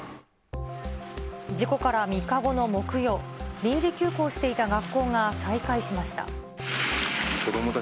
事故から３日後の木曜、臨時休校していた学校が再開しました。